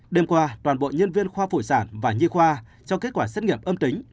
đêm qua toàn bộ nhân viên khoa phụ sản và nhi khoa cho kết quả xét nghiệm âm tính